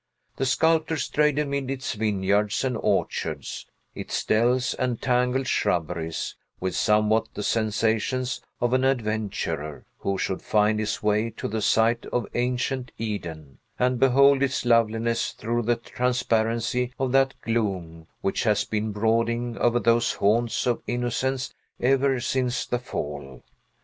The sculptor strayed amid its vineyards and orchards, its dells and tangled shrubberies, with somewhat the sensations of an adventurer who should find his way to the site of ancient Eden, and behold its loveliness through the transparency of that gloom which has been brooding over those haunts of innocence ever since the fall.